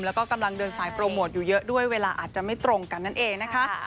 แล้วก็กำลังเดินสายโปรโมทอยู่เยอะด้วยเวลาอาจจะไม่ตรงกันนั่นเองนะคะ